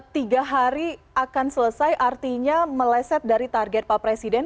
tiga hari akan selesai artinya meleset dari target pak presiden